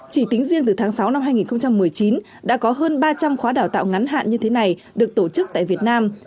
chỉ tính riêng từ tháng sáu năm hai nghìn một mươi chín đã có hơn ba trăm linh khóa đào tạo ngắn hạn như thế này được tổ chức tại việt nam